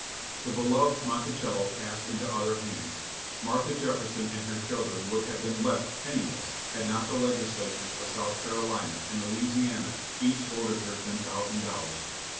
The beloved Monticello passed into other hands. Martha Jefferson and her children would have been left penniless had not the Legislatures of South Carolina and Louisiana each voted her ten thousand dollars.